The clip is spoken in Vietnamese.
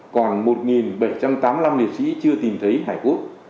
còn một bảy trăm tám mươi năm liệt sĩ chưa tìm thấy hải quốc